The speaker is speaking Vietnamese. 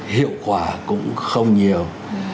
hiệu quả cũng không nhiều